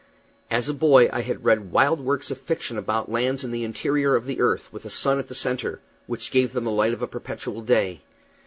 As a boy I had read wild works of fiction about lands in the interior of the earth, with a sun at the centre, which gave them the light of a perpetual day.